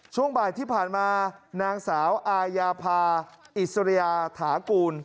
ช่วงบ่ายที่ผ่านมานางสาวอายาภาอิสริยาถากูล